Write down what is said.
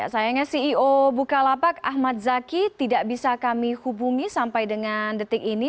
sayangnya ceo bukalapak ahmad zaki tidak bisa kami hubungi sampai dengan detik ini